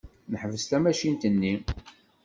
Neḥbes tamacint-nni.